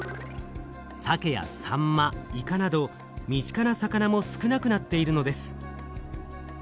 サケやサンマイカなど身近な魚も少なくなっているのです。